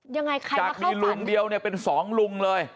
ยังไงคะจากมีลุงเดียวเนี่ยเป็นสองลุงเลย